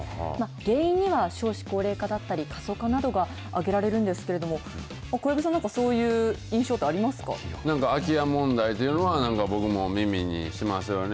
原因には、少子高齢化だったり、過疎化などが挙げられるんですけれども、小籔さん、なんかそういなんか空き家問題というのは、僕も耳にしますよね。